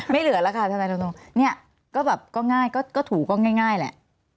ไม่เหลือแล้วค่ะท่านไทยโดนโทษนี่ก็แบบก็ง่ายก็ถูก็ง่ายแหละ